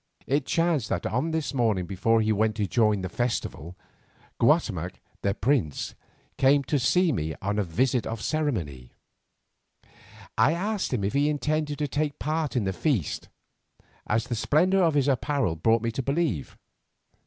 It chanced that on this morning before he went to join in the festival, Guatemoc, the prince, came to see me on a visit of ceremony. I asked him if he intended to take part in the feast, as the splendour of his apparel brought me to believe.